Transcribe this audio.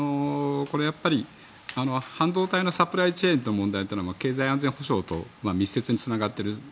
これはやっぱり半導体のサプライチェーンの問題というのは経済安全保障と密接につながっている。